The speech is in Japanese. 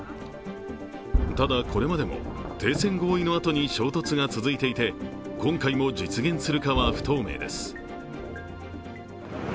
ただ、これまでも停戦合意のあとに衝突が続いていて今回も実現するかは不透明です。